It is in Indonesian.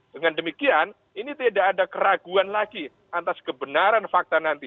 dengan demikian ini tidak ada keraguan lagi atas kebenaran fakta nanti